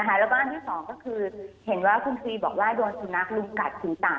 แล้วก็อันที่สองก็คือเห็นว่าคุณทรีย์บอกว่าโดนสุนัขลุงกัดถึง๓๔ตัว